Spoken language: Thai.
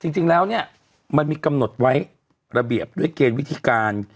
จริงแล้วเนี่ยมันมีกำหนดไว้ระเบียบด้วยเกณฑ์วิธีการ